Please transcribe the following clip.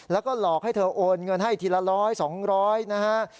แล้วก็หลอกให้เธอโอนเงินให้ทีละร้อยสองร้อยนะฮะ